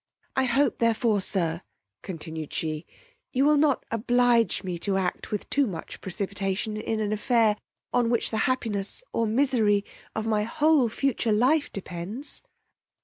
I hope therefore, sir, continued she, you will not oblige me to act with too much precipitation in an affair on which the happiness or misery of my whole future life depends.